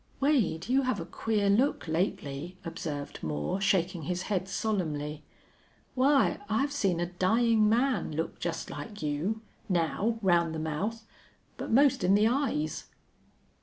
"Wade, you have a queer look, lately," observed Moore, shaking his head solemnly. "Why, I've seen a dying man look just like you now round the mouth but most in the eyes!"